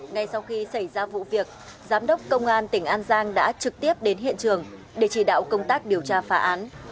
ngay sau khi xảy ra vụ việc giám đốc công an tỉnh an giang đã trực tiếp đến hiện trường để chỉ đạo công tác điều tra phá án